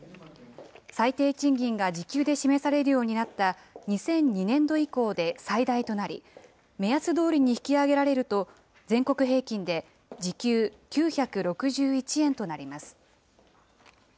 最低賃金が時給で示されるようになった２００２年度以降で最大となり、目安どおりに引き上げられると、全国平均で時給９６１円となります。